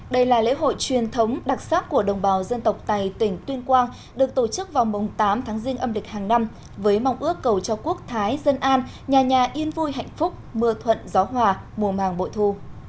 đây là lễ hội truyền thống đặc sắc của đồng bào dân tộc tây tỉnh tuyên quang được tổ chức vào mùng tám tháng riêng âm lịch hàng năm với mong ước cầu cho quốc thái dân an nhà nhà yên vui hạnh phúc mưa thuận gió hòa mùa màng bội thu